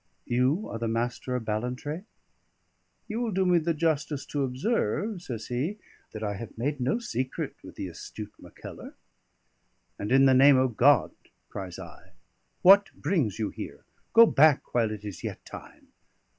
"You are the Master of Ballantrae?" "You will do me the justice to observe," says he, "that I have made no secret with the astute Mackellar." "And in the name of God," cries I, "what brings you here? Go back, while it is yet time."